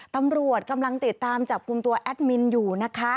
ตำรวจกำลังติดตามจับกลุ่มตัวแอดมินอยู่นะคะ